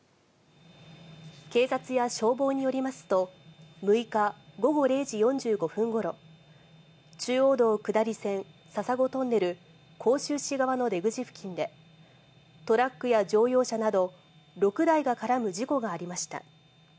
警察や消防によりますと、６日午後０時４５分ごろ、中央道下り線笹子トンネル甲州市側の出口付近で、トラックや乗用車など、６台が絡む事故がありました。